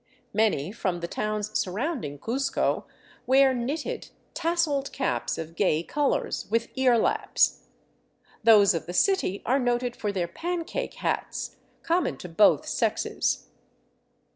Many from the towns surrounding Cuzco wear 430 THE CITY OF THE SUN knitted, tasseled caps of gay colors, with earlaps. Those of the city are noted for their " pancake " hats, common to both sexes.